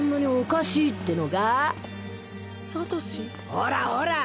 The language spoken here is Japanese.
ほらほら。